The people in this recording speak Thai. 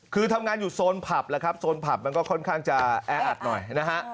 คือทำงานอยู่โซนผับแล้วครับโซนผับมันก็ค่อนข้างจะแออัดหน่อยนะฮะ